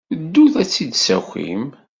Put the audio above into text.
Ddut ad tt-id-tessakim.